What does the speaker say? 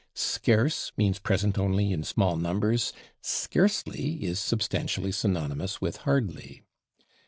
/Scarce/ means present only in small numbers; /scarcely/ is substantially synonymous with /hardly